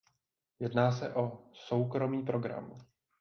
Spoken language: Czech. Jedná se o soukromý program.